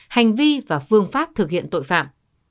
hành vi và phương pháp thực hiện tội phạm